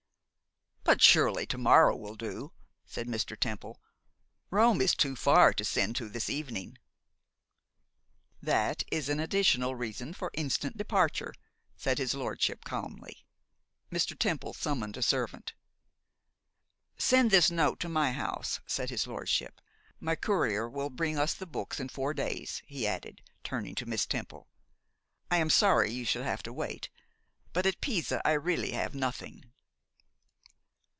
'But surely to morrow will do,' said Mr. Temple. 'Rome is too far to send to this evening.' 'That is an additional reason for instant departure,' said his lordship calmly. Mr. Temple summoned a servant. 'Send this note to my house,' said his lordship. 'My courier will bring us the books in four days,' he added, turning to Miss Temple. 'I am sorry you should have to wait, but at Pisa I really have nothing.